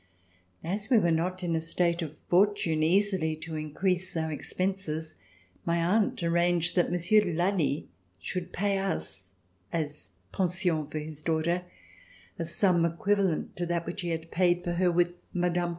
As we were not in a state of fortune easily to increase our expenses, my aunt arranged that Monsieur de Lally should pay us, as pension for his daughter, a sum equivalent to that which he had paid for her with Mme.